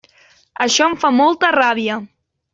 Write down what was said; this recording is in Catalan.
Això em fa molta ràbia.